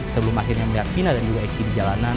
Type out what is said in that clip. sebelum akhirnya melihat vina dan juga eki di jalanan